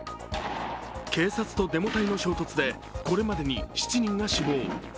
警察とデモ隊の衝突でこれまでに７人が死亡。